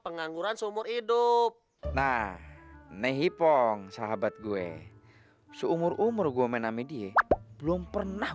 pengangguran seumur hidup nah nih hipong sahabat gue seumur umur gue main amediye belum pernah